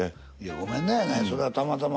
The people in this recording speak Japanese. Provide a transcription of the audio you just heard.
ごめんなやないそれはたまたま。